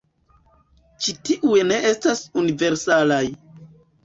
Ĉi tiuj ne estas universalaj.